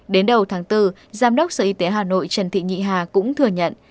đến đầu tháng bốn giám đốc sở y tế hà nội trần thị nhị hà cũng thừa nhận